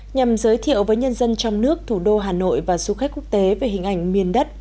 nhằm giới thiệu với nhân dân trong nước thủ đô hà nội và du khách quốc tế về hình ảnh miền đất